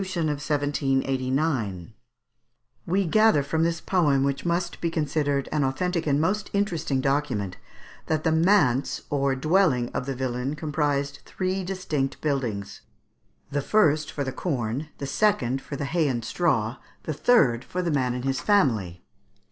] We gather from this poem, which must be considered an authentic and most interesting document, that the manse or dwelling of the villain comprised three distinct buildings; the first for the corn, the second for the hay and straw, the third for the man and his family.